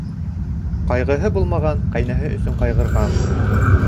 Ҡайғыһы булмаған ҡәйнәһе өсөн ҡайғырған.